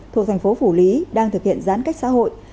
thuộc thành phố phủ lý đang thực hiện giãn cách xã hội